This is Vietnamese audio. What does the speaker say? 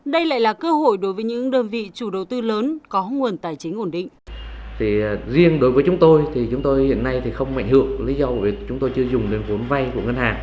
đây là cái quan trọng và tôi nghĩ rằng nhà nước nên chọn lọc